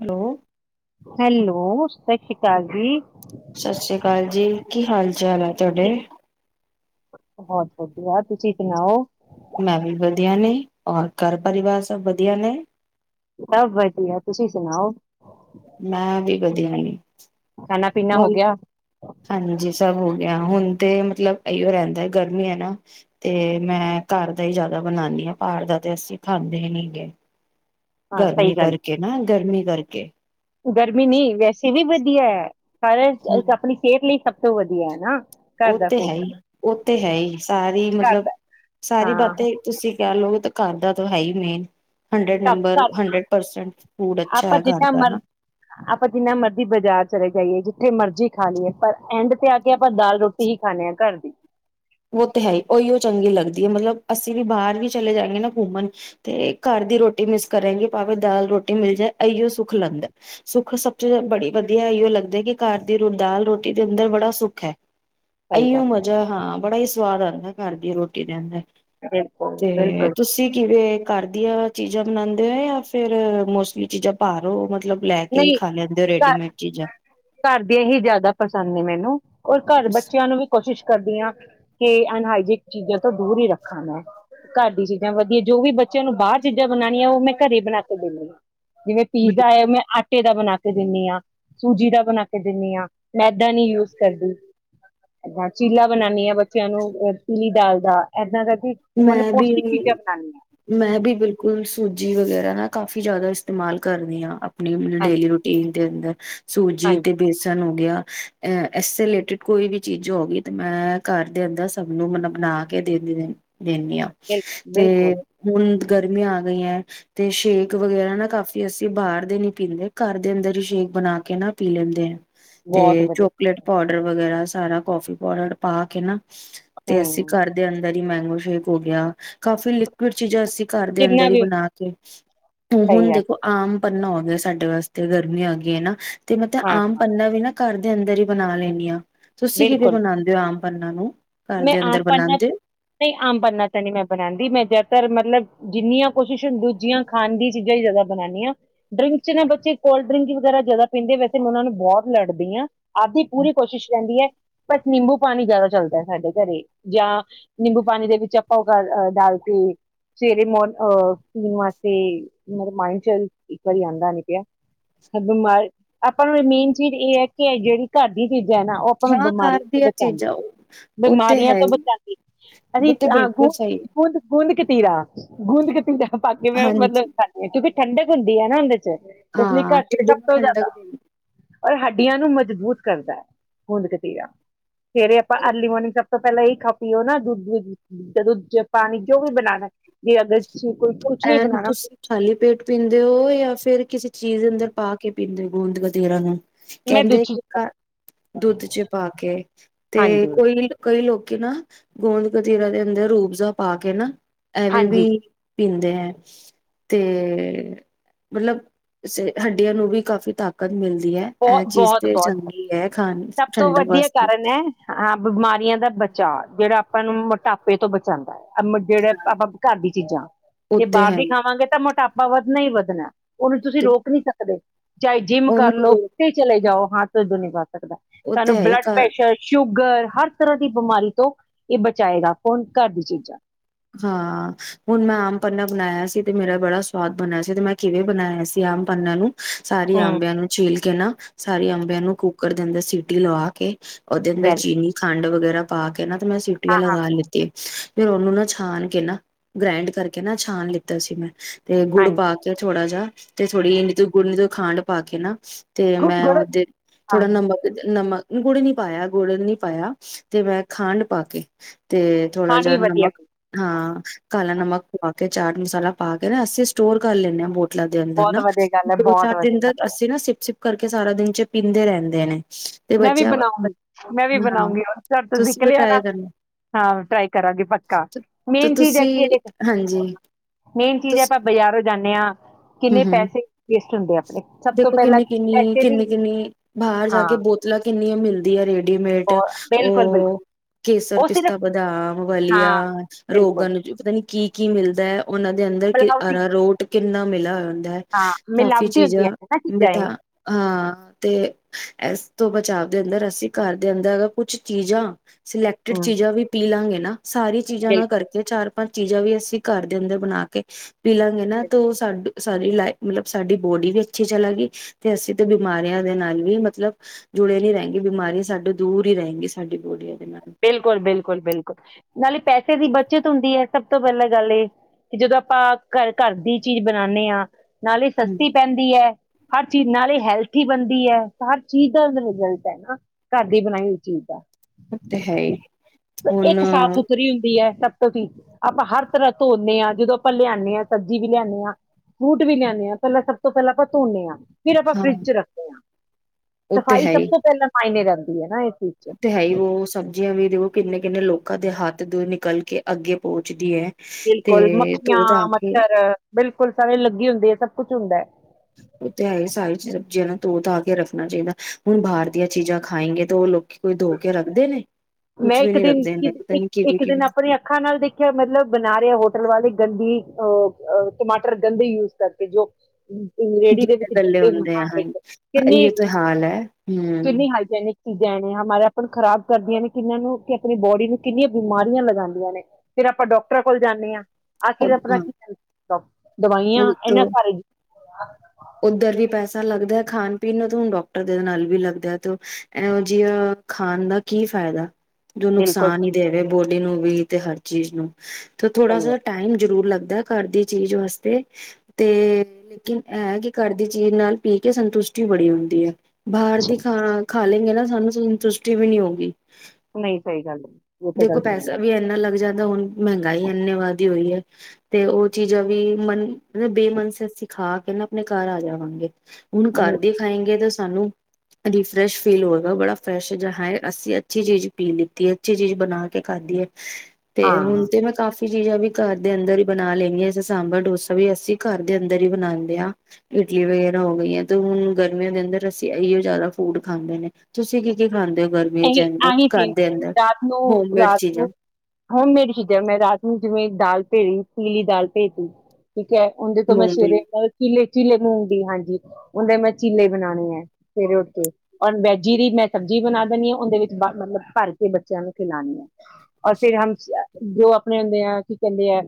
Hello hello ਸਤ ਸ਼੍ਰੀ ਕਾਲ ਜੀ ਸਤਿ ਸ੍ਰੀ ਅਕਾਲ ਜੀ ਕੀ ਹਾਲ ਚਾਲ ਹੈ ਤੁਹਾਡੇ ਬਹੁਤ ਵਧੀਆ ਤੁਸੀਂ ਸੁਣਾਓ ਮੈਂ ਵੀ ਵਧੀਆ ਨੇ ਔਰ ਘਰ ਪਰਿਵਾਰ ਸਭ ਵਧੀਆ ਨੇ ਸਭ ਵਧੀਆ ਤੁਸੀਂ ਸੁਣਾਓ ਮੈਂ ਵੀ ਵਧੀਆ ਨੀ ਖਾਣਾ ਪੀਣਾ ਹੋ ਹੋਰ ਗਿਆ? ਹਾਂਜੀ ਸਭ ਹੋ ਗਿਆ ਹੁਣ ਤੇ ਮਤਲਬ ਐਹਯੋ ਰਹਿੰਦਾ ਗਰਮੀ ਹੈ ਨਾ ਤੇ ਮੈਂ ਘਰ ਦਾ ਹੀ ਜ਼ਿਆਦਾ ਬਣਾਉਂਨੀ ਹਾਂ ਬਾਹਰ ਦਾ ਤੇ ਅਸੀਂ ਖਾਂਦੇ ਹੀ ਨੀ ਗਗੇ ਹਾਂ, ਸਹੀ ਗਰਮੀ ਗੱਲ। ਕਰਕੇ ਨਾ ਗਰਮੀ ਕਰਕੇ ਗਰਮੀ ਨੀ ਵੈਸੇ ਵੀ ਬ ਧੀਆ ਹੈ ਹਮ [unintelligible] ਆਪਣੀ ਸਿਹਤ ਲਈ ਸਭ ਸਭ ਤੋਂ ਵਧੀਆ ਨਾ ਘਰ ਉਹ ਦਾ ਤੇ ਫੂਡ, ਹੈ ਹੀ ਉਹ ਤੇ ਹੈ ਹੀ ਸਾਰੀ ਘਰ ਮਤਲਬ ਦਾ ਸਾਰੀ ਹਾਂ, ਬਾਤੇਂ ਤੁਸੀਂ ਕਿਆ ਲੋਓ ਤਾਂ ਕਰਦਾ ਤ ਹੈ ਹੀ main hundred number hundred percent food ਅੱਛਾ ਆਪਾਂ ਹੈ ਘਰ ਜਿੰਨਾ ਦਾ ਨਾ ਮਰਜੀ ਆਪਾਂ ਜਿੰਨਾ ਮਰਜ਼ੀ ਬਾਜ਼ਾਰ ਚਲੇ ਜਾਈਏ ਜ ਜੱਥੇ ਮਰਜ਼ੀ ਖਾ ਲਈਏ ਪਰ ਐਂਡ ਤੇੱਜ ਆਪਾਂ ਦਾਲ ਰੋਟੀ ਹੀ ਖਾਣੇ ਹਾਂ ਘਰ ਦੀ ਔ ਤੇ ਹੈ ਹੀ ਔਹੀਓ ਚੰਗੀ ਲੱਗਦੀ ਵ ਮਤਲਬ ਅਸੀਂ ਵੀ ਬਾਹਰ ਵੀ ਚਲੇ ਜਾਏਗੇ ਨਾ ਘੁੰਮਣ ਤੇ ਘਰ ਦੀ ਰੋਟੀ ਮਿਸ ਕਰੇਗੇ ਭਾਵੇਂ ਦਾਲ ਰੋਟੀ ਮਿਲ ਜਾਏ ਇਓ ਸੁੱਖ ਲੰਗਦਾ ਸੁੱਖ ਸਭ ਤੋਂ ਬੜੀ ਵਧੀਆ ਇਓ ਲੱਗਦਾ ਕਿ ਘਰ ਦੀ ਰ ਦਾਲ ਰੋਟੀ ਦੇ ਅੰਦਰ ਬੜਾ ਸੁੱਖ ਹੈ ਸਹੀ ਅਈਓ ਗੱਲ ਹੈ, ਮਜ਼ਾ ਹਾਂ ਬੜਾ ਹੀ ਸਵਾਦ ਆਉਂਦਾ ਘਰ ਦੀ ਰੋਟੀ ਦੇ ਅੰਦਰ ਬਿਲਕੁਲ ਤੇ ਬਿਲਕੁਲ ਤੁਸੀਂ ਕਿਵੇਂ ਕਰਦੀ ਆ ਚੀਜ਼ਾਂ ਬਣਾਉਂਦੇ ਹੋ ਜਾਂ ਫੇਿਰ ਮੋਸਟਲੀ ਚੀਜ਼ਾਂ ਬਾਰੋ ਮਤਲਬ ਲੈ ਕੇ ਹੀ ਨਹੀਂ ਖਾ ਲੈਂਦੇ ਹੋ ਘਰ ਰੈਡੀਮੇਡ ਚੀਜ਼ਾਂ ਘਰ ਦੀਆਂ ਹੀ ਜ਼ਿਆਦਾ ਪਸੰਦ ਨੇ ਮੈਨੂੰ ਔਰ ਘਰ ਬੱਚਿਆਂ ਨੂੰ ਵੀ ਕੋਸ਼ਿਸ਼ ਕਰਦੀ ਹਾਂ ਕਿ ਅਨਹਾਾਈਜਨਿਕ ਚੀਜ਼ਾਂ ਤੋਂ ਦੂਰ ਹੀ ਰੱਖਾਂ ਮੈਂ ਘਰ ਦੀ ਚੀਜ਼ਾਂ ਵਧੀਆ ਜੋ ਵੀ ਬੱਚਿਆਂ ਨੂੰ ਬਾਹਰ ਚੀਜ਼ਾਂ ਬਣਾਉਣੀਆਂ ਉਹ ਮੈਂ ਘਰੇ ਹੀ ਬਣਾ ਕੇ ਦੇਣੀ ਹਾਂ ਜਿਵੇਂ ਪੀਜ਼ਾ ਐ, ਮੈਂ ਆਟੇ ਦਾ ਬਣਾ ਕੇ ਦਿੰਦੀ ਹਾਂ ਸੂਜੀ ਦਾ ਬਣਾ ਕੇ ਦਿੰਦੀ ਹਾਂ ਮੈਦਾ ਨੀ ਯੂਜ ਕਰਦੀ ਦਾਂ ਚੀਲਾ ਬਣਾਉਾਨਦੀ ਆਾਂ ਬੱਚਿਆਂ ਨੂੰ ਪੀਲੀ ਦਾਲ ਦਾ ਏਦਾਂ ਦਾ ਮੈਂ ਵੀ ਮੈਂ ਵੀ ਬਿਲਕੁਲ ਸੂਜੀ ਵਗੈਰਾ ਨਾ ਕਾਫੀ ਜ਼ਿਆਦਾ ਇਸਤੇਮਾਲ ਕਰਦੇ ਹਾਂ ਆਪਾਂ ਆਪ ਹਾਂਜੀ ਡੇਲੀ ਰੂਟੀਨ ਦੇ ਹੁੰਦਾ ਸੂਜੀ ਹਾਂਜੀ ਤੇ ਬੇਸਣ ਨੂੰ ਇਸ ਰਿਲੇਟਿਡ ਕੋਈ ਵੀ ਚੀਜ਼ ਹੋ ਗਈ ਤੇ ਮੈਂ ਘਰ ਦੇ ਅੰਦਰ ਸਭ ਨੂੰ ਮਤਲਬ ਬਣਾ ਕੇ ਦੇਦੀ ਦਿੰਦੀ ਹਾਂ ਬਿਲ ਤੇ ਬਿਲਕੁਲ ਹੁਣ ਗਰਮੀੀਆਂ ਆ ਗਈਆਂ ਤੇ ਸ਼ੇਕ ਵਗੈਰਾ ਨਾ ਕਾਫ਼ੀ ਅਸੀਂ ਬਾਹਰ ਦੇ ਨੀ ਪੀਂਦੇ ਘਰ ਦੇ ਅੰਦਰ ਹੀ ਸ਼ੇਕ ਬਣਾ ਕੇ ਨਾ ਪੀ ਲੈਂਦੇ ਹੈ ਬਹੁਤ ਤੇ ਵਧੀਆ ਚੋਕਲੇਟ ਪਾਊਡਰ ਵਗੈਰਾ ਸਾਰਾ ਕੌਫੀ ਪਾਊਡਰ ਪਾ ਕੇ ਨਾ ਤੇ ਅਸੀਂ ਹਮ ਘਰ ਦੇ ਅੰਦਰ ਦਰੀ ਮੈਂਗੋਸ਼ ਠੀਕ ਹੋ ਗਿਆ, ਕਾਫੀ ਲਿਕਵਿਡ ਚੀਜ਼ਾਂ ਸੀ ਘਰ ਦੇ ਜਿੰਨਾ ਅੰਦਰ ਹੀ ਵੀ ਬਣਾ ਕੇ, - ਉਹ ਸਹੀ ਹੁਣ ਗੱਲ ਦੇਖੋ ਆਮ ਪੰਨਾ ਹੋ ਗਿਆ ਸਾਡੇ ਵਾਸਤੇ ਗਰਮੀ ਆ ਗਈ ਹੈ ਨਾ ਤੇ ਮਤੈ ਹਾਂ ਆਮ ਹਾਂ ਪੰਨਾ ਵੀ ਨਾ ਘਰ ਦੇ ਅੰਦਰ ਹੀ ਬਣਾ ਲੈਨੀ ਆ। ਤੁਸੀਂ ਕਿਵੇਂ ਬਿਲਕੁਲ ਬਣਾਦੇ ਹੋ ਆਮ ਪਨਾਂ ਨਾ। ਮੈਂ ਆਮ ਪੰਨਾ, ਨਹੀਂ ਆਮ ਪੰਨਾ ਤਾਂ ਨੀ ਮੈਂ ਬਣਾਦੀ। ਮੈਂ ਜਿਆਦਾਤਰ ਮਤਲਬ ਜਿੰਨੀਆਂ ਕੋਸ਼ਿਸ਼ ਦੂਜੀਆਂ ਖਾਣ ਦੀ ਚੀਜ਼ਾਂ ਹੀ ਜ਼ਿਆਦਾ ਬਣਾਦੀ ਹਾਂ। ਡਰਿੰਕਸ ਚ ਨਾ ਬੱਚੇ ਕੋਲਡ ਡਰਿੰਕ ਵਗੈਰਾ ਜ਼ਿਆਦਾ ਪੀਂਦੇ ਵੈਸੇ ਮੈਂ ਉਹਨਾਂ ਨੂੰ ਬਹੁਤ ਲੜਦੀ ਹਾਂ। ਆਪ ਦੀ ਪੂਰੀ ਕੋਸ਼ਿਸ਼ ਰਹਿੰਦੀ ਹੈ ਬਟ ਨਿੰਬੂ ਪਾਣੀ ਜਿਆਦਾ ਚੱਲਦਾ ਏ। ਸਾਡੇ ਘਰੇ ਜਾਂ ਨਿੰਬੂ ਪਾਣੀ ਦੇ ਵਿੱਚ ਆਪਾਂ ਉਹ ਘਰ ਡਾਲ ਕੇ ਸਵੇਰੇ ਮੋਰ ਅਹ ਪੀਣ ਵਾਸਤੇ ਮੇਰੇ ਮਾਇੰਡ ਚ ਇੱਕ ਵਾਰੀ ਆਦਾ ਨੀ ਪਿਆ - ਬਿਮਾਰ ਆਪਾਂ ਨੂੰ ਮੇਨ ਚੀਜ਼ ਇਹ ਹੈ ਕਿ ਇਹ ਜਿਹੜੀ ਘਰ ਦੀ ਚੀਜ਼ ਕੇ ਹੈਨਾ ਉਹ ਆਪਾਂ ਨੂੰ ਹਾਂ ਬਿਮਾਰੀ ਘਰ ਚ ਦੀਆਂ ਬਚਾਦੀ। ਚੀਜ਼ਾਂ ਉਹ ਤੇ ਬਿਮਾਰੀਆਂ ਹੈ ਤੋਂ ਹੀ ਬਚਾਂਦੀ। ਉਹ ਅਸੀਂ ਤੇ ਖੂ ਬਿਲਕੁਲ ਸਹੀ ਖੂਦ ਗੂੰਦ ਕਤੀਰਾ, ਗੂੰਦ ਕਤੀਰਾ ਬਾਕੀ ਹੈ ਮੈਂ ਮਤਲਬ ਹਾਂਜੀ ਖਾਂਦੀ ਹਾਂ ਕਿਉਂਕਿ ਠੰਡਕ ਹੁੰਦੀ ਹੈ ਨਾ ਉਦੇ ਚ ਇਸ ਲਈ ਹਾਂ ਘਰ ਚ ਢਿੱਡ ਸਭ ਨੂੰ ਤੋਂ ਜ਼ਿਆਦਾ। ਠੰਡਕ ਦਿੰਦੀ ਔਰ ਹੱਡੀਆਂ ਨੂੰ ਮਜ਼ਬੂਤ ਕਰਦੈ ਗੂੰਦ ਕਤੀਰਾ। ਸਵੇਰੇ ਆਪਾਂ ਅਰਲੀ ਮੋਰਨਿੰਗ ਸਭ ਤੋਂ ਪਹਿਲਾਂ ਇਹ ਖਾਓ ਪੀਓ ਨਾ ਦੁੱਧ ਵਿਚ ਜਦੋ ਪਾਣੀ ਚ ਜੋ ਵੀ ਬਣਾਨਾ ਜੇ ਅਗਰ ਤੁਸੀਂ ਕੋਈ ਤੋ ਕੁਛ ਵੀ ਐਨ ਬਣਾਣਾ ਤੁਸੀਂ ਖਾਲੀ ਪੇਟ ਪੀਂਦੇ ਹੋ ਯਾ ਫਿਰ ਕਿਸੇ ਚੀਜ਼ ਦੇ ਅੰਦਰ ਪਾ ਕੇ ਪੀਂਦੇ ਹੋ। ਗੂੰਦ ਕਤੀਰਾ ਨੂੰ ਮੈਂ ਦੁੱਧ ਕਹਿੰਦੇ ਚ ਕਿ ਘਰ ਦੁੱਧ ਚ ਪਾ ਕੇ। ਤੇ ਹਾਂਜੀ ਕੋਈ ਕਈ ਲੋਕ ਕੇ ਨਾ ਗੋਂਦ ਕਤੀਰਾ ਦੇ ਅੰਦਰ ਰੂਹਫਜ਼ਾ ਪਾ ਕੇ ਨਾ ਏਵੇਂ ਹਾਂਜੀ ਵੀ ਪੀਂਦੇ ਹੈ। ਤੇ ਮਤਲਬ ਸ ਹੱਡੀਆਂ ਨੂੰ ਵੀ ਕਾਫ਼ੀ ਤਾਕਤ ਮਿਲਦੀ ਹੈ ਇਹ ਬਹੁਤ ਚੀਜ਼ ਬਹੁਤ ਤੇ ਬਹੁਤ ਚੰਗੀ ਹੈ ਖਾਣ ਸਭ ਤੋਂ ਠੰਡਕ ਵਧੀਆ ਵਾਸਤੇ ਕਾਰਨ ਹੈ ਹਾਂ ਆਮ ਬਿਮਾਰੀਆਂ ਦਾ ਬਚਣ ਦਾ ਜਿਹੜਾ ਆਪਾਂ ਨੂੰ ਮੋਟਾਪੇ ਤੋਂ ਬਚਾਂਦਾ ਹੈ। ਜਿਹੜੇ ਆਪਾਂ ਘਰ ਦੀ ਚੀਜ਼ਾਂ ਉਹ ਜੇ ਤੇ ਬਾਹਰ ਹੈ ਦੀ ਹੀ ਖਾਵਾਂਗੇ ਤਾਂ ਮੋਟਾਪਾ ਹਾ ਵਧਣਾ ਹੀ ਵਧਣਾ ਉਹਨੂੰ ਤੁਸੀਂ ਤੇ ਰੋਕ ਨਹੀਂ ਸਕਦੇ। ਚਾਹੇ ਜਿੰਮ ਕਰ ਉਹਨੂੰ ਲਓ। ਰੋ ਚਲੇ ਜਾਓ ਹੱਥ ਉਦੋਂ ਨੀ ਪਾ ਸਕਦਾ। ਉਹ ਸਾਨੂੰ ਤੇ ਹੈ ਬਲੱਡ ਹੀ ਪ੍ਰੈਸ਼ਰ ਸ਼ੂਗਰ ਘਰ ਹਰ ਤਰ੍ਹਾਂ ਦੀ ਬਿਮਾਰੀ ਤੋਂ ਇਹ ਬਚਾਏਗਾ ਕੌਣ ਘਰ ਦੀ ਚੀਜ਼ਾਂ। ਹਾਂ ਹੁਣ ਮੈਂ ਆਮ ਪੰਨਾ ਬਣਾਇਆ ਸੀ ਤੇ ਮੇਰਾ ਬੜਾ ਸਵਾਦ ਬਣਿਆ ਸੀ ਤੇ ਮੈਂ ਕਿਵੇਂ ਬਣਾਇਆ ਸੀ ਆਮ ਪੰੰਨਾ ਨੂੰ ਸਾਰੀ ਹੂੰ ਆੰਬਿਆਂ ਨੂੰ ਝੀਲ ਕੇ ਨਾ ਸਾਰੀ ਅੰਬਿਆਂ ਨੂੰ ਕੁੱਕਰ ਦੇ ਅੰਦਰ ਸੀਟੀ ਲਵਾ ਕੇ। ਉਹਦੇ ਅੰਦਰ ਵੈਰੀ ਚੀਨੀ ਖੰਡ ਵਗੈਰਾ ਪਾ ਕੇ ਕਹਿੰਦਾ ਤੇ ਮੈਂ ਸਿਊਟੀਆਂ ਹਾਂ ਹਾਂ ਲਗਾ ਲਿੱਤੀਆਂ ਫਿਰ ਉਹਨੂੰ ਨਾ ਛਾਣ ਕੇ ਨਾ ਗ੍ਰੈਂਡ ਕਰਕੇ ਨਾ ਛਣ ਲਿੱਤਾ ਸੀ ਮੈਂ ਤੇ ਗੁੜ ਹਾਂਜੀ ਪਾ ਕੇ ਥੋੜਾ ਜਾ ਹ ਤੇ ਥੋੜੀ ਇਨੀਗੁਣ ਖੰਡ ਪਾ ਕੇ ਨਾ ਤੇ ਗੁੱਡ ਮੈਂ ਗੁੱਡ ਉਹਦੇ ਹਾਂ ਥੋੜਾ ਨੰਮਰਨਮਕ ਗੁੜ ਨੀ ਪਾਇਆ ਗੁੜ ਨਹੀਂੀ ਪਾਇਆ ਤੇ ਮੈਂ ਖਾਂਡ ਪਾ ਕੇ ਤੇ ਥੋੜਾ ਖਾਂਡ ਜਿਹਾ ਵੀ ਵਧੀਆ ਨਮਕ ਹਾਂ ਕਲਾ ਨਮਕ ਪਾ ਚਾਟ ਮਸਾਲਾ ਪਾ ਕੇ ਨਾ ਅਸੀਂ ਸਟੋਰ ਕਰ ਲੈਂਦੇ ਹਾਂ ਬੋਟ ਦੇ ਅੰਦਰ ਬਹੁਤ ਨਾ ਵਧੀਆ ਗੱਲ ਹੈ ਦੋ ਬਹੁਤ ਚਾਰ ਦਿਨ ਦਾ ਵਧੀਆ ਅਸੀਂ ਨਾ ਸਿਪ ਸਿਪ ਕਰਕੇ ਸਾਰਾ ਦਿਨ ਚ ਪੀਂਦੇ ਰਹਿੰਦੇ ਨੇ ਤੇ ਮੈਂ ਵੀ ਬੱਚਿਆਂ ਬਣਾਉਂਗੀ ਮੈਂ ਵੀ ਹਾਂ ਬਣਾਉਂਗੀ ਤੋਂ ਸਿੱਖ ਤੁਸੀਂ ਵੀ ਲਿਆ ਨਾ ਟਰਾਈ ਕਰਨਾ ਹਾਂ ਟਰਾਈ ਕਰਾਂਗੀ ਪੱਕਾ ਤੇ ਮੇਨ ਚੀਜ਼ ਹੈ ਤੁਸੀਂ ਕਿ ਦੇਖ ਹਾਂਜੀ ਮੇਨ ਚੀਜ਼ ਹੈ ਤੁਸੀਂ ਆਪਾਂ ਬਾਜ਼ਾਰੋਂ ਜਾਂਦੇ ਹਾਂ ਹਮ ਕਿੰਨੇ ਹਮ ਪੈਸੇ ਹੁੰਦੇ ਆ ਆਪਣੇ ਸਭ ਤੋਂ ਦੇਖੋ ਪਹਿਲਾਂ ਕਿੰਨੀ ਕਿੰਨੀ ਪੈਸੇ ਦੀ ਕਿੰਨੀ ਕਿੰਨੀ ਬਾਹਰ ਜਾ ਹਾਂ ਕੇ ਬਹੁਤ ਪੁਤਲਾਾਂ ਕਿੰਨੀਆਂ ਮਿਲਦੀਆਂ ਰੇਡੀਮੇਡ ਔਰ ਬਿਲਕੁਲ ਬਿਲਕੁਲ ਉਹ ਕੇਸਰ ਉਹ ਸਿਰਫ ਪਿਸਤਾ ਬਦਾਮ ਵਾਲੀਆ ਹਾਂ ਰੋਗ ਬਿਲਕੁਲ ਨੂੰ ਪ ਕੀ ਕੀ ਮਿਲਦਾ ਹੈ ਉਹਨਾਂ ਦੇ ਅੰਦਰ ਮਿਲਾਵਟੀ ਆਰਾਰੁਟ ਕੇ ਕਿੰਨਾ ਮਿਲਿਆ ਦਾ ਹਾਂ ਕਾਫ਼ੀ ਮਿਲਾਵਟੀ ਹੁੰਦੀਆਂ ਚੀਜ਼ਾਂ ਨੇ ਨਾ ਚੀਜ਼ਾਂ ਮਿਠਾ ਇਹ ਹਾਂ ਤੇ ਇਸ ਤੋਂ ਬਚਾਵ ਦੇ ਅੰਦਰ ਅਸੀਂ ਘਰ ਦੇ ਅੰਦਰ ਅ ਕੁਛ ਚੀਜ਼ਾਂ ਸਿਲੈਕਟਡ ਹਮ ਚੀਜ਼ਾਂ ਵੀ ਪੀ ਲਾਂਗੇ ਨਾ ਸਾਰੀ ਚੀਜ਼ਾਂ ਨਾਲ ਬਿਲਕੁਲ ਕਰਕੇ ਚਾਰ ਆਪਾਂ ਚੀਜ਼ਾਂ ਵੀ ਅਸੀਂ ਘਰ ਦੇ ਅੰਦਰ ਬਣਾ ਕੇ ਪੀ ਲਾਂਗੇ ਨਾ ਤਾਂ ਸਾਡ ਸਾਡੀ ਲਾਈ ਮਤਲਬ ਸਾਡੀ ਬੋਡੀ ਵੀ ਅੱਛੀ ਚਲੇ ਗਈ ਤੇ ਅਸੀਂ ਤਾਂ ਬਿਮਾਰੀਆਂ ਦੇ ਨਾਲ ਵੀ ਮਤਲਬ ਜੁੜੇ ਨੀ ਰਹਿਗੇ ਬਿਮਾਰੀਆਂ ਸਾਡੇ ਦੂਰ ਹੀ ਰਹਿਣਗੀ ਸਾਡੀ ਬੋਡੀਆ ਤੋਂ ਬਿਲਕੁਲ ਬਿਲਕੁਲ ਬਿਲਕੁਲ। ਨਾਲੇ ਪੈਸੇ ਦੀ ਬੱਚਤ ਹੁੰਦੀ ਹੈ ਸਭ ਤੋਂ ਪਹਿਲਾਂ ਗੱਲ ਏ। ਕਿ ਜਦੋਂ ਆਪਾਂ ਘਰ ਘਰ ਦੀ ਚੀਜ਼ ਬਣਾਨੇ ਆ। ਨਾਲੇ ਹੂੰ ਸਸਤੀ ਪੈਂਦੀ ਹੈ। ਹਰ ਚੀਜ਼ ਨਾਲੇ ਹੈਲਥੀ ਬਣਦੀ ਹੈ ਹਰ ਚੀਜ਼ ਦਾ ਰਿਜ਼ਲਟ ਹੈ ਨਾ ਘਰ ਦੀ ਬਣਾਈ ਹੋਈ ਚੀਜ਼ ਦਾ ਉਹ ਤੇ ਹੈ ਹੀ ਹੁਣ ਇੱਕ ਸਾਫ਼ ਸੁਥਰੀ ਹੁੰਦੀ ਹੈ। ਸਭ ਸੁਥਰੀ, ਆਪਾਂ ਹਰ ਤਰ੍ਹਾਂ ਧੋਨਦੇ ਹਾਂ ਜਦੋਂ ਆਪਾਂ ਲਿਆਣੇ ਹਾਂ ਸਬਜ਼ੀ ਵੀ ਲਿਆਣੇ ਹਾਂ ਫਰੂਟ ਵੀ ਲਿਆਣੇ ਹਾਂ ਪਹਿਲਾਂ ਸਭ ਤੋਂ ਪਹਿਲਾਂ ਆਪਾਂ ਧੋਦੇ ਹਾਂ। ਫਿਰ ਆਪਾਂ ਹਾਂ ਫਰਿੱਜ ਚ ਰੱਖਦੇ ਹਾਂ। ਉਹ ਤੇ ਸਫ਼ਾਈ ਹੈ ਸਭ ਹੀ ਤੋਂ ਪਹਿਲਾਂ ਮਾਇਨੇ ਰੱਖਦੀ ਦੀ ਐ ਤੇ ਹੈ ਹੀ ਉਹ ਸਬਜ਼ੀਆਂ ਵੀ ਦਿਓ ਕਿੰਨੇ ਕਿੰਨੇ ਲੋਕਾਂ ਦੇ ਹੱਥ ਦੇ ਨਿਕਲ ਕੇ ਅੱਗੇ ਪਹੁੰਚਦੀ ਹੈ। ਤੇ ਬਿਲਕੁਲ ਮੱਖੀਆਂ ਧੋ ਧਾ ਕੇ ਮੱਛਰ ਬਿਲਕੁਲ ਸਾਰੇ ਲੱਗੀ ਹੁੰਦੇ ਹੈ ਸਭ ਕੁੱਝ ਹੁੰਦਾ ਹੈ। ਓ ਤੇ ਹੈ ਹੀ। ਸਾਰੀ ਸਬਜ਼ੀਆਂ ਨੂੰ ਧੋ ਧਾ ਕੇ ਰੱਖਣਾ ਚਾਹੀਦਾ। ਹੁਣ ਬਾਹਰ ਦੀਆਂ ਚੀਜ਼ਾਂ ਖਏਂਗੇ ਓਹ ਲੋਕ ਕੋਈ ਧੋ ਕੇ ਰੱਖਦੇ ਨੇ। ਮੈਂ ਕੁਛ ਵੀ ਇੱਕ ਨੀ ਦਿਨ ਰੱਖਦੇ ਨੇ ਪਤਾ ਇੱਕ ਨੀ ਇੱਕ ਦਿਨ ਕਿਵੇਂ-ਕਿਵੇਂ ਆਪੀਆਂ ਅੱਖਾਂ ਨਾਲ ਦੇਖਿਆ ਮਤਲਬ ਬਣਾ ਰਿਹਾ ਹੋਟਲ ਵਾਲੇ ਗੰਦੀ ਅ ਟਮਾਟਰ ਗੰਦੇ ਹੀ ਯੂਜ ਕਰਦੇ। ਜੋ ਰੇੜੀ ਦੇ ਗਲੇ ਵਿੱਚ ਗੱਲੇ ਗੰਦੇ ਹੁੰਦੇ ਆ ਹਾਂ ਹਨ ਬਿਲਕੁਲ ਕਿੰਨੀ ਇਹ ਤੇ ਹਾਲ ਹੈ। ਹੂੰ ਕਿੰਨੀ ਹਾਈਜੈਨਿਕ ਚੀਜ਼ਾਂ ਨੇ ਹਮਾਰ ਆਪ ਖਰਾਬ ਕਰਦੀਆਂ ਨੇ। ਕਿਨਾਂ ਨੂੰ ਕਿ ਆਪਣੀ ਬੋਡੀ ਨੂੰ ਕਿੰਨੀਆਂ ਬਿਮਾਰੀਆਂ ਲਗਾਦੀਆਂ ਨੇ ਫੇਿਰ ਆਪਾਂ ਡਾਕਟਰਾਂ ਕੋਲ ਜਾਂਦੇ ਹਾਂ ਆਖਿਰ ਉਹ ਆਪਣਾ ਹਾਂ ਕੀ [inaudible] ਦਵਾਈਆਂ ਉਹ ਤੋਂ ਇਹਨਾਂ ਸਾਰੇ ਆ ਉੱਧਰ ਵੀ ਪੈਸਾ ਲੱਗਦਾ ਖਾਣ ਪੀਣ ਨੂੰ ਹੁਣ ਡਾਕਟਰ ਦੇ ਨਾਲ ਵੀ ਲੱਗਦਾ ਤੇ। ਐ ਹੋ ਜੀਆ ਖਾਣ ਦਾ ਕੀ ਫਾਇਦਾ। ਜੋ ਬਿਲਕੁਲ ਨੁਕਸਾਨ ਹੀ ਸਹੀ ਦੇਵੇ ਬੋਲ ਬੋਡੀ ਨੂੰ ਵੀ ਤੇ ਹਰ ਚੀਜ਼ ਨੂੰ। ਤੇ ਥੋੜਾ ਸਹੀ ਸਾ ਟਾਈਮ ਜਰੂਰ ਲੱਗ ਦਾ ਘਰ ਦੀ ਚੀਜ਼ ਵਾਸਤੇ ਤੇ, ਲੇਕਿਨ ਹੈਂ ਕਿ ਘ਼ਰ ਦੀ ਚੀਜ਼ ਨਾਲ ਪੀ ਕੇ ਸੰਤੁਸ਼ਟੀ ਬੜੀ ਹੁੰਦੀ ਏ। ਬਾਹਰ ਦੀ ਖਾਣ ਖਾ ਲੈਂਗੇ ਨਾ ਸਾਨੂੰ ਸੰਤੁਸ਼ਟੀ ਵੀ ਨਹੀਂ ਹੋਊਗੀ। ਨਹੀਂ ਸਹੀ ਗੱਲ ਐ ਇਹ ਤਾਂ ਗੱਲ ਸਹੀ ਏ। ਕ ਹੁਣ ਮਹਿੰਗਾਈ ਇੰਨੇ ਵੱਧਦੀ ਹੋਈ ਏ ਤੇ ਉਹ ਚੀਜ਼ਾਂ ਵੀ ਮਨ ਬੇਮਨ ਸੇ ਸੀਖਾ ਕਹਿੰਦਾ ਆਪਣੇ ਘ਼ਰ ਆ ਜਾਵਾਂਗੇ। ਹੁਣ ਹੈ। ਘ਼ਰ ਦੇ ਖਾਏਗੇ ਤਾਂ ਸੁ ਸਾਨੂੰ ਰੀਫਰੈਸ਼ ਫੀਲ ਹੋਵੇਗਾ ਬੜਾ ਫਰੈਸ਼ ਜਾਂ ਹਾਏ ਅਸੀਂ ਅੱਛੀ ਚੀਜ਼ ਪੀ ਲਿੱਤੀ ਏ, ਅੱਛੀ ਚੀਜ਼ ਬਣਾ ਕੇ ਖਾਧੀ ਏ। ਤੇ ਹੁਣ ਹਾਂ। ਤੇ ਮੈਂ ਕਾਫੀ ਏਹ ਵੀੱ ਘ਼ਰ ਦੇ ਅੰਦਰ ਹੀ ਬਣਾ ਲੈਣੀ ਸਾਂਬਰ ਡੋਸਾ ਵੀ ਅਸੀਂ ਘਰ ਦੇ ਅੰਦਰ ਹੀ ਬਣਾਾਂ ੰਯਾ, ਇਡਲੀ ਵਗੈਰਾ ਹੋ ਗਈ ਆ ਤੇ ਹੁਣ ਗਰਮੀਆਂ ਦੇ ਅੰਦਰ ਅਸੀਂ ਇਓ ਜ਼ਿਆਦਾ ਫੂਡ ਖਾਂਦੇ ਨੇ, ਤੁਸੀਂ ਕੀ, ਕੀ ਖਾਂਦੇ ਹੋ? ਗਰਮੀਆਂ ਚ ਏਹੀ ਅੰਦਰ ਆਹੀ ਘਰ ਤੇ ਦੇ ਅੰਦਰ ਰਾਤ ਨੂੰ, ਹੋਮਮੇਡ ਰਾਤ ਚੀਜ਼ਾਂ ਨੂੰ ਹੋਮ ਮੇਡ ਚੀਜ਼ਾਂ ਮੈਂ ਰਾਤ ਨੂੰ ਜਿਵੇਂ ਦਾਲ ਪੇਰੀ ਪੀਲੀ ਦਾਲ ਭੇ ਤੀ। ਠੀਕ ਹੈ, ਔਂਹਦੇ ਤੋਂ ਮੈਂ ਸਵੇਰੇ [unintelligible] ਚੀਲੇ ਮੂੰਗ ਦੀ ਹਾਂਜੀ, ਉਹਦੇ ਮੈਂ ਚੀਲੇ ਬਣਾਉਣੇ ਹੈ ਸਵੇਰੇ ਉੱਠ ਕੇ ਔਰ ਵੈਜੀਰੀ ਮੈਂ ਸਬਜ਼ੀ ਬਣਾ ਉਹਦੇ ਵਿੱਚ ਮਤਲਬ ਭਰ ਕੇ ਬੱਚਿਆਂ ਨੂੰ ਖਿਲਾਨੀ ਹੈ, ਔਰ ਫਿਰ ਹ ਜੋ ਆਪਣੇ ਹੁੰਦੇ ਆ ਕੀ ਕਹਿੰਦੇ ਆ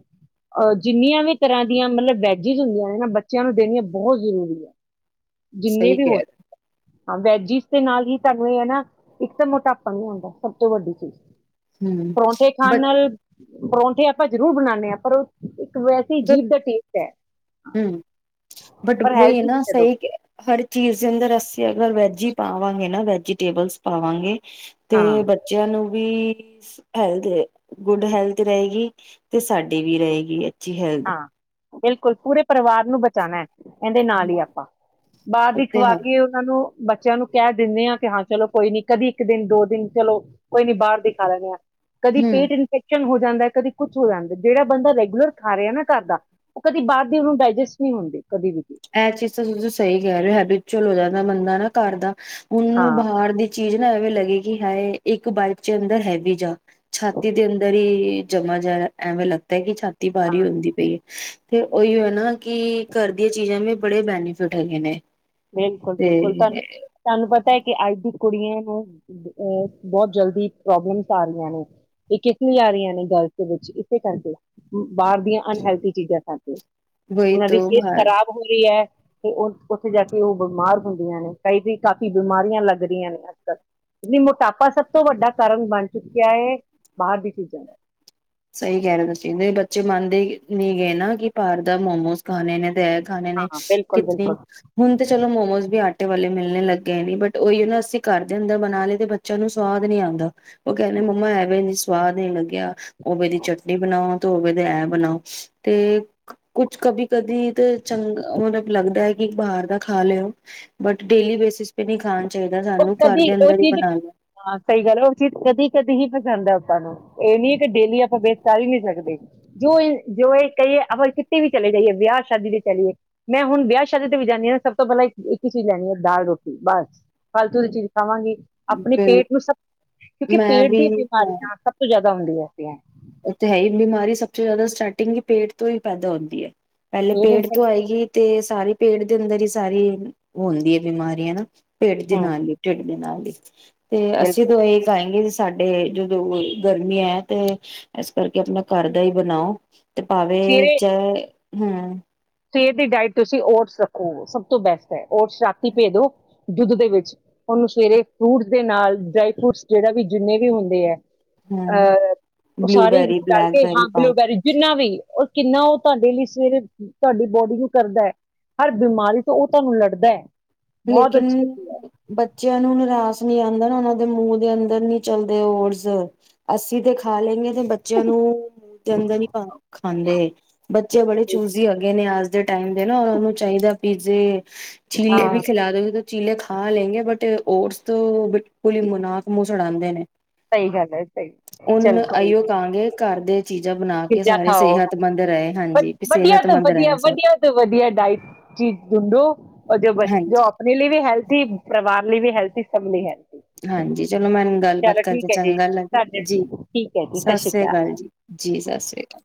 ਜਿੰਨੀਆਂ ਵੀ ਤਰ੍ਹਾਂ ਦੀਆਂ ਮਤਲਬ ਵੈਜਿਸ ਹੁੰਦੀਆਂ ਨੇ ਨਾ ਬੱਚਿਆਂ ਨੂੰ ਦੇਣੀਆਂ ਬਹੁਤ ਜ਼ਰੂਰੀ ਹੈ। ਜਿੰਨੇ ਵੀ ਹੋ ਸਕੇ ਹਾਂ ਵੈਜਿਸ ਦੇ ਨਾਲ ਹੀ ਧਰਨੀ ਏ ਨਾ। ਇੱਕ ਤਾਂ ਮੋਟਾਪਾ ਨੀ ਆਉਂਦਾ ਸਭ ਤੋਂ ਵੱਡੀ ਚੀਜ਼। ਪਰੌਂਠੇ ਖਾਣ ਨਾਲ ਪਰੌਂਠੇ ਆਪਾਂ ਜਰੂਰ ਬਣਾਉਦੇ ਹਾਂ ਪਰ ਉਹ ਵੈਸੇ ਜੀਭ ਦਾ ਟੇਸਟ ਹੈ ਹਮ ਬਟ ਪਰ ਉਹੀ ਹੈਲਥੀ ਨਾ ਜਦੋਂ ਸਹੀ ਕਿ ਹਰ ਚੀਜ਼ ਦੇ ਅੰਦਰ ਅ ਅਗਰ ਵੈਜੀ ਹੀ ਪਾਵਾਂਗੇ ਨਾ ਵੈਜੀਟੇਬਲਸ ਪਾਵਾਂਗੇ ਤੇ ਹਾਂ ਬੱਚਿਆਂ ਨੂੰ ਵੀ [unintelligible] ਹੈਲਥ ਗੁੱਡ ਹੈਲਥ ਰਹੇਗੀ, ਤੇ ਸਾਡੀ ਵੀ ਰਹੇਗੀ। ਜੀ ਹੈਲਦ ਹਾਂ ਬਿਲਕੁਲ ਪੂਰੇ ਪਰਿਵਾਰ ਨੂੰ ਬਚਾਣਾ ਹੈ। ਕਹਿੰਦੇ ਨਾਲ ਹੀ ਹਮ ਆਪਾਂ, ਬਾਹਰ ਉਹ ਦੀ ਤੇ ਖਵਾ ਹੈ ਕੇ ਉਹਨਾਂ ਨੂੰ ਬੱਚਿਆਂ ਨੂੰ ਕਹਿ ਦਿੰਦੇ ਹਾਂ ਕਿ ਹਾਂ ਚਲੋ ਕੋਈ ਨੀ ਕਦੀ ਇੱਕ ਦਿਨ ਦੋ ਦਿਨ ਚਲੋ ਕੋਈ ਨੀ ਬਾਹਰ ਦਿਖਾ ਲੈਂਣੇ ਆਾਂ। ਕਦੀ ਹਮ ਪੇਟ ਇੰਫੇਕਸ਼ਨ ਹੋ ਜਾਂਦਾ ਕਦੀ ਕੁੱਛ ਹੋ ਜਾਂਦਾ, ਜਿਹੜਾ ਬੰਦਾ ਰੈਗੂਲਰ ਖਾ ਰਹੇ ਨਾ ਘਰ ਦਾ, ਉਹ ਕਦੇ ਬਾਹਰ ਦੀ ਉਹਨੂੰ ਡਾਇਜੈਸਟ ਨਹੀਂ ਹੁੰਦੇ, ਕਦੀ ਵੀ। ਇਹ ਚੀਜ਼ ਤਾਂ ਤੁਸੀ ਸਹੀ ਕਹਿ ਰਹੇ ਹੋ, ਹਾਬੀਚੁਅਲ ਹੋ ਜਾਂਦਾ ਬੰਦਾ ਨਾ ਘਰ ਦਾ। ਹਾਂ ਉਹਨੂੰ ਬਾਹਰ ਦੀ ਚੀਜ਼ ਨਾ ਐਵੇਂ ਲੱਗੀ ਕਿ ਹਾਏ ਇੱਕ ਬਾਈਟ ਚ ਅੰਦਰ ਹੈਵੀ ਜਾ ਛਾਤੀ ਦੇ ਅੰਦਰ ਹੀ ਜਮਾ ਜਾਇਆ ਐਵੇਂ ਲੱਗਦਾ ਕਿ ਹਾਂ ਤੀਵਾਰੀ ਹੁੰਦੀ ਪਈ ਏ। ਤੇ ਉਹੀਓ ਨਾ ਕੀ ਘਰ ਦੀਆਂ ਚੀਜਾਂ ਵੀ ਬੜੇ ਬੈਨੀਫਿਟ ਹੈਗੇ ਨੇ। ਬਿਲਕੁਲ, ਤੇ ਬਿਲਕੁਲ ਤੁਹਾਨੂੰ ਪਤਾ ਏ ਕਿ ਅੱਜ ਦੀ ਕੁੜੀਆਂ ਨੂੰ ਅ ਬਹੁਤ ਜਲਦੀ ਪ੍ਰੋਬਲਮਸ ਆ ਰਹੀਆਂ ਨੇ, ਇਹ ਕਿਸ ਲਈ ਆ ਰਹੀਆਂ ਨੇ ਗਰਲ ਦੇ ਵਿੱਚ, ਇਸੇ ਕਰਕੇ ਬਾਹਰ ਦੀਆਂ ਅਨਹੈਲਥੀ ਚੀਜ਼ਾਂ ਕਰਕੇ ਵਹੀ ਉਹਨਾਂ ਦੀ ਤੋਂ ਸਿਹਤ ਬਾਹਰ ਖ਼ਰਾਬ ਹੋ ਰਹੀ ਹੈ। ਤੇ ਉਹ ਉੱਥੇ ਜਾ ਕੇ ਉਹ ਬਿਮਾਰ ਹੁੰਦੀਆਂ ਨੇ, ਕਈ ਕਾਫ਼ੀ ਬਿਮਾਰੀਆਂ ਲੱਗ ਰਹੀਆਂ ਨੇ ਅੱਜ ਕੱਲ, ਮੋਟਾਪਾ ਸਭ ਤੋਂ ਵੱਡਾ ਕਾਰਨ ਬਣ ਚੁੱਕਿਆ ਹੈ, ਬਾਹਰ ਦੀ ਚੀਜ਼ਾਂ ਦਾ। ਸਹੀ ਕਹਿ ਰਹੇ, ਤੁਸੀਂ ਵੀ ਬੱਚੇ ਮੰਨਦੇ ਨੀ ਗੇ ਨਾ, ਕਿ ਬਾਹਰ ਦੇ ਮੋਮੋਸ ਖਾਣੇ ਨੇ ਤੇ ਖਾਣੇ ਨੇ ਹਾਂ ਬਿਲਕੁਲ ਕਿਤਨੀ ਬਿਲਕੁਲ ਹੁਣ ਤੇ ਚਲੋ ਮੋਮੋਜ਼ ਵੀ ਆ ਆਟੇ ਵਾਲੇ ਮਿਲਣੇ ਲੱਗ ਗਏ ਨੇ, ਬਟ ਉਹੀ ਨਾ ਅਸੀਂ ਘਰ ਦੇ ਅੰਦਰ ਬਣਾ ਲੈਂਦੇ ਤੇ ਬੱਚਿਆਂ ਨੂੰ ਸਵਾਦ ਨੀ ਆਦਾ, ਉਹ ਕਹਿੰਦੇ ਮੰਮਾ ਐਵੇਂ ਨੀ ਸਵਾਦ ਨੀ ਲੱਗਿਆ। ਉਵੇੇ ਦੀ ਚਟਨੀ ਬਣਾਓ। ਤੇ ਐਹ ਬਣਾਓ ਤੇ ਕੁਛ ਕਦੀ ਕਦੀ ਤਾਂ ਚੰਗਾ ਮਤਲਬ ਲੱਗਦਾ ਹੈ ਕਿ ਬਾਹਰ ਦਾ ਖਾ ਲਓ, ਬਟ ਡੇਲੀ ਬੇਸਿਸ ਪੇ ਨਹੀਂ ਖਾਣ ਉਹ ਕਦੀ ਉਹ ਚੀਜ਼ ਹਾਂ ਸਹੀ ਗੱਲ, ਉਹ ਚੀਜ਼ ਕਦੀ ਕਦੀ ਹੀ ਪਸੰਦ ਆ। ਆਪਾ ਨੂੰ ਇਹ ਨੀ ਕਿ ਡੇਲੀ ਆਪਾਂ ਬੇਸ ਕਰ ਹੀ ਨੀ ਸਕਦੇ, ਜੋ ਜੋ ਇਹ ਕਹੀਏ ਆਪਾਂ ਕਿਤੇ ਵੀ ਚਲੇ ਜਾਈਏ ਵਿਆਹ ਸ਼ਾਦੀ ਤੇ ਚਲੀਏ, ਮੈਂ ਹੁਣ ਵਿਆਹ ਸ਼ਾਦੀ ਤੇ ਵੀ ਜਾਂਦੀ ਹਾਂ ਨਾ ਸਭ ਤੋਂ ਪਹਿਲਾਂ ਇੱਕ ਹੀ ਚੀਜ਼ ਲੈਣੀ ਹੈ ਦਾਲ ਰੋਟੀ ਬਸ। ਫਾਲਤੂ ਦੀ ਚੀਜ਼ ਖਾਵਾਂਗੀ ਆਪਣੇ ਬਿਲ ਪੇਟ ਨੂੰ ਸਭ ਕਿਉਂਕਿ ਮੈਂ ਪੇਟ ਵੀ ਦੀ ਬਿਮਾਰੀਆਂ ਸਭ ਤੋਂ ਜ਼ਿਆਦਾ ਦਾਲ ਰੋਟੀ ਹਾ ਉੱਥੇ ਹੈ ਹੀ ਬਿਮਾਰੀ ਸਭ ਤੋਂ ਜ਼ਿਆਦਾ ਸਟਾਰਟਿੰਗ ਪੇਟ ਤੋਂ ਹੀ ਪੈਦਾ ਹੁੰਦੀ ਹੈ। ਪਹਿਲੇ ਪੇਟ ਤੋਂ ਆਏਗੀ ਤੇ ਸਾਰੀ ਪੇਟ ਦੇ ਅੰਦਰ ਹੀ ਸਾਰੀ ਓ ਹੁੰਦੀ ਹੈ, ਬਿਮਾਰੀ ਹਨਾ। ਪੇਟ ਦੇ ਹਮ ਨਾਲ ਹੀ ਢਿੱਡ ਦੇ ਨਾਲ ਹੀ ਤੇ ਅਸੀਂ ਬਿਲਕੁਲ ਓਹੀ ਖਾਏਗੇ ਜਿਸ ਸਾਡੇ ਜਦੋਂ ਗਰਮੀ ਹੈ ਤੇ ਇਸ ਕਰਕੇ ਆਪਣਾ ਘਰ ਦਾ ਹੀ ਬਣਾਓ। ਤੇ ਭਾਵੇ ਸਵੇਰੇ ਚਾਹੇ ਹੂੰ। ਸਵੇਰ ਦੀ ਡਾਇਟ ਤੁਸੀਂ ਓਟਸ ਰੱਖੋ ਸਭ ਤੋਂ ਬੈਸਟ ਹੈ ਓਟਸ ਰਾਤੀ ਭੇਅ ਦੳ ਦੁੱਧ ਦੇ ਵਿੱਚ। ਓਨੂੰ ਸਵੇਰੇ ਫਰੂਟਸ ਦੇ ਨਾਲ ਡਰਾਈ ਫਰੂਟਸ ਜਿਹੜਾ ਵੀ ਜਿੰਨੇ ਵੀ ਹੁੰਦੇ ਹੈ। ਹੂੰ ਅ ਉਹ ਸਾਰੀ ਵਿੱਚ ਬਲੂਬੈਰੀ ਤਲ ਕੇ ਬਲੈਕਬੈਰੀ ਹਾਂ ਪਾ ਬਲੂਬੈਰੀ ਜਿੰਨਾ ਵੀ ਉਹ ਕਿੰਨਾ ਉਹ ਤੁਹਾਡੇ ਲਈ ਸਵੇਰੇ ਤੁਹਾਡੀ ਬੋਡੀ ਨੂੰ ਕਰਦਾ ਹੈ ਹਰ ਬਿਮਾਰੀ ਤੋਂ ਉਹ ਤੁਹਾਨੂੰ ਲੜਦਾ ਹੈ। ਬਹੁਤ ਅੱਛੀ ਲੇਕਿਨ, ਹੁੰਦੀ ਹੈ ਬੱਚਿਆਂ ਨੂੰ ਨਿਰਾਸ਼ ਆਉਂਦਾ ਨਾ ਉਹ ਦੇ ਮੂੰਹ ਦੇ ਅੰਦਰ ਨੀ ਚਲਦੇ ਓਰਜ਼ ਅੱਸੀ ਤੇ ਖਾ ਲੈਂਣੈ ਬੱਚਿਆਂ ਨੂੰ ਦੇਂਦੇ ਨੀ ਖਾਂਦੇ ਬੱਚੇ ਬੜੇ ਕੋਈ ਚੂਜੀ ਹੋਗੇ ਨੇ ਅ ਟਾਈਮ ਦੇ ਨਾ ਉਹਨੂੰ ਚਾਹੀਦਾ ਪਿਜ਼ੇ ਚੀਲੇ ਵੀ ਹਾਂ ਚੀਲੇ ਖਾ ਲੈਂਗੇ ਬਟ ਓਟਸ ਤੋਂ ਬਿਲਕੁਲ ਹੀ ਨੱਕ ਮੂੰਹ ਚੜਾਦੇ ਨੇ ਸਹੀ ਗੱਲ ਹੈ, ਸਹੀ ਉਹਨ ਚੱਲ ਕੋਈ ਇਹੀਓ ਨੀ ਕਹਾਂਗੇ ਘਰ ਦੇ ਚੀਜ਼ਾਂ ਬਣਾ ਕੇ ਚੀਜ਼ਾਂ ਸਾਰੇ ਖਾਓ ਸਿਹਤਮੰਦ ਰਹੇ ਹਾਂਜੀ ਵਧੀਆ ਤੋਂ ਸਿਹਤਮੰਦ ਵਧੀਆ ਰਹੇ ਸਭ ਵਧੀਆ ਤੋਂ ਵਧੀਆ ਡਾਇਟ ਚੀ ਡੂਡੋ ਜੋ ਬਚ ਜੋ ਹਾਂਜੀ ਆਪਣੇ ਲਈ ਵੀ ਹੈਲਥੀ ਪਰਵਾਰ ਵੀ ਹੈਲਥ [unintelligible] ਹੈ ਹਾਂਜੀ ਚਲੋ ਮੈਂ ਗੱਲ ਬਾਤ ਕਰਦੇ ਹੈ ਜੀ ਚੰਗਾ ਲੱਗਿਆ, ਸਾਡੇ ਜੀ ਠੀਕ ਹੈ ਜੀ ਸਤਿ ਸ਼੍ਰੀ ਸ੍ਰੀ ਅਕਾਲ ਜੀ, ਜੀ ਸਤਿ ਸ੍ਰੀ ਅਕਾਲ।